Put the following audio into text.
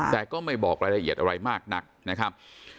แต่ก็ไม่บอกรายละเอียดอะไรมากนักนะครับ